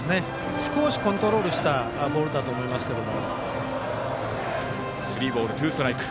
少しコントロールしたボールだと思いますけど。